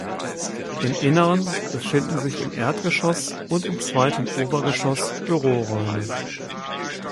Im Inneren befinden sich im Erdgeschoss und im zweiten Obergeschoss Büroräume.